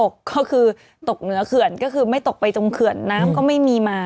ก็คือตกเป็นซึ่งขเดียวไม่ตกไปจงแสดงน้ำไม่มีมา